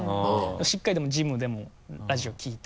しっかりジムでもラジオ聴いて。